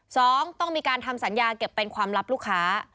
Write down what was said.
สองต้องมีการทำสัญญาเก็บเป็นความลับลูกค้า